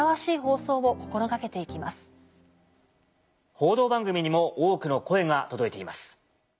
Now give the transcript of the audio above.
報道番組にも多くの声が届いています。